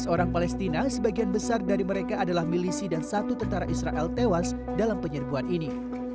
tiga belas orang palestina sebagian besar dari mereka adalah milisi dan satu tentara israel tewas dalam penyerbuan ini